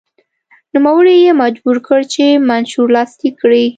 نوموړی یې مجبور کړ چې منشور لاسلیک کړي.